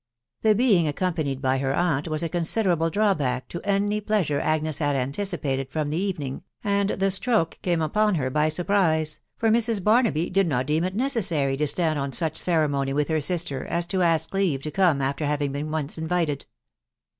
The being accompanied by her aunt was a considerable drawback to any pleasure Agnes had anticipated from the evening, and the stroke came upon her by surprise, for Mrs. Barnaby did not deem it necessary to stand on such ceremony with her sister as to ask leave to come after having been once invited.